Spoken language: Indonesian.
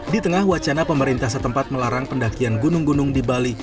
di tengah wacana pemerintah setempat melarang pendakian gunung gunung di bali